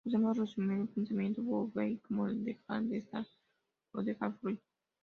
Podemos resumir el pensamiento Wu wei como el dejar estar o dejar fluir.